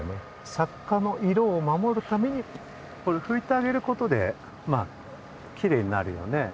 作家の色を守るためにこれふいてあげることでまあキレイになるよね。